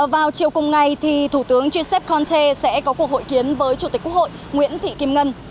vào chiều cùng ngày thủ tướng giuseppe conte sẽ có cuộc hội kiến với chủ tịch quốc hội nguyễn thị kim ngân